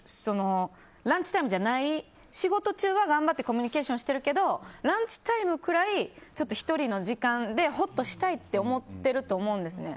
ランチタイムじゃない仕事中は頑張ってコミュニケーションしてるけどランチタイムくらい１人の時間でほっとしたいって思ってると思うんですね。